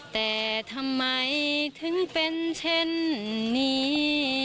แต่ทำไมถึงเป็นเช่นนี้